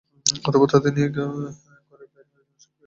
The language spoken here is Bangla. অতঃপর তাদেরকে নিয়ে ঘরের বের হয়ে জনসমক্ষে আসলেন।